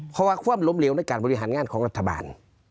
เพราะว่าความล้มเหลวในการบริหารงานของรัฐบาล